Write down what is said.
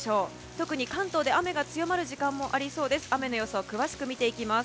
特に関東で雨が強まる時間もありそうです。